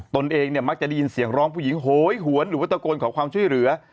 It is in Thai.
ตนเองเนี่ยมักจะได้ยินเสียงร้องผู้หญิงโหยหวนหรือว่าตะโกนขอความช่วยเหลือ